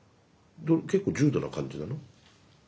結構重度な感じなの？